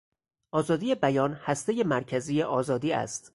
آزادی بیان هستهی مرکزی آزادی است.